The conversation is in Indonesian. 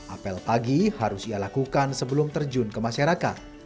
apel pagi harus ia lakukan sebelum terjun ke masyarakat